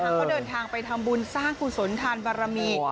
เขาเดินทางไปทำบุญสร้างกุศลทานบารมี